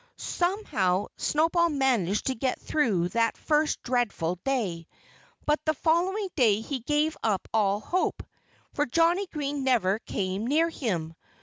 Somehow Snowball managed to get through that first dreadful day. But the following day he gave up all hope; for Johnnie Green never came near him.